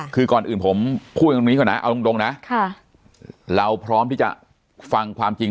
คือก่อนอื่นผมพูดเราก็นี้ก่อนนะเราพร้อมที่จะฟังความจริง